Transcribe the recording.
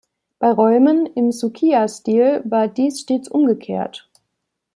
Bei Räumen im Sukiya-Stil war dies stets umgekehrt.